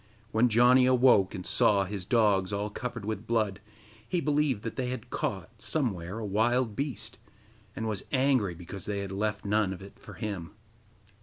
When Janni awoke, and saw his dogs all covered with blood, he believed that they had caught, somewhere, a wild beast, and was angry because they had left none of it for him.